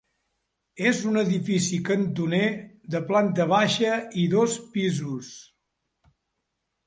És un edifici cantoner de planta baixa i dos pisos.